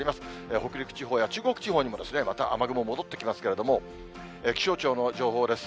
北陸地方や、中国地方にもまた雨雲戻ってきますけれども、気象庁の情報です。